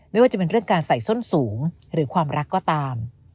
ไม่ว่าจะเป็นเรื่องการใส่ส้นสูงหรือความรักก็ตาม